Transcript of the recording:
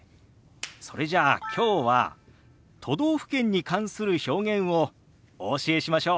それじゃあきょうは都道府県に関する表現をお教えしましょう。